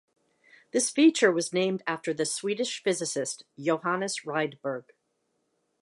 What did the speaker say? This feature was named after the Swedish physicist Johannes Rydberg.